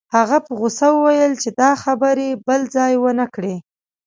هغه په غوسه وویل چې دا خبرې بل ځای ونه کړې